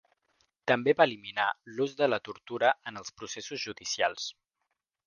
També va eliminar l'ús de la tortura en els processos judicials.